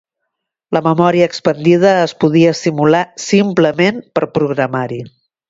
La memòria expandida es podia simular simplement per programari.